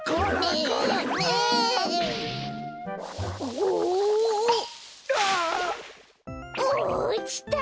おおちた！